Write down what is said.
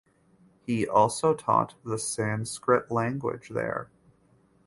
He also taught the Sanskrit language there.